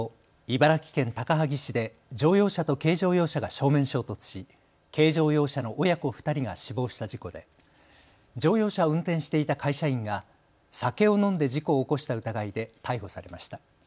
茨城県高萩市で乗用車と軽乗用車が正面衝突し軽乗用車の親子２人が死亡した事故で乗用車を運転していた会社員が酒を飲んで事故を起こした疑いで逮捕されました。